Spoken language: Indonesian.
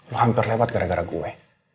lah hampir lewat gara gara gue